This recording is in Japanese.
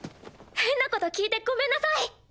変なこと聞いてごめんなさい。